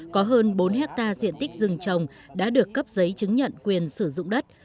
có hơn bốn hectare diện tích rừng trồng đã được cấp giấy chứng nhận quyền sử dụng đất